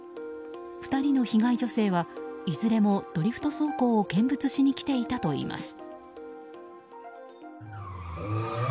２人の被害女性はいずれもドリフト走行を見物しに来ていたといいます。